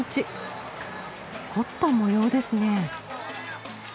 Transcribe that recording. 凝った模様ですね。